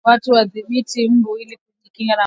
Watu wadhibiti mbu ili kujikinga na maambukizi